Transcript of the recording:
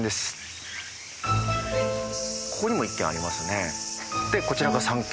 ここにも１軒ありますね。